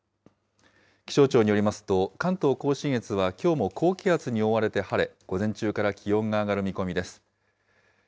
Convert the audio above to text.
気象庁によりますと、関東甲信越はきょうも高気圧に覆われて晴れ、午前中から気温が上がる見込みです。